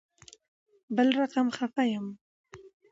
بل رقم خفه یم